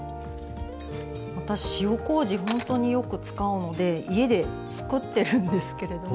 私塩こうじほんとによく使うので家で作ってるんですけれども。